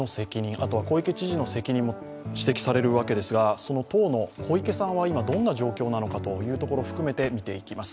あとは小池知事の責任も指摘されるわけですが、当の小池さんは今どんな状況なのかを含めて見ていきます。